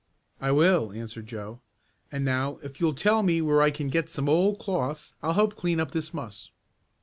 "I will," answered Joe. "And now if you'll tell me where I can get some old cloths I'll help clean up this muss."